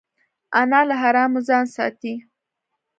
انا له حرامو ځان ساتي